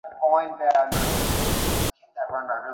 তিনি বললেন, এ হচ্ছে সুউচ্চ জমাট ঢেউ এবং সুরক্ষিত ছাদ।